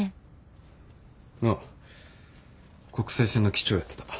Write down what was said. ああ国際線の機長をやってた。